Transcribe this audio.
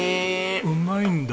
うまいんだ。